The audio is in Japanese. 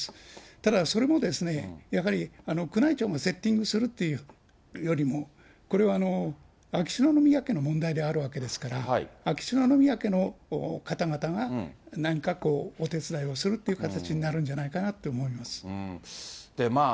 ただそれも、やはり宮内庁もセッティングするというよりも、これは秋篠宮家の問題であるわけですから、秋篠宮家の方々が何かこう、お手伝いをするっていう形になるんじゃないかなって思います。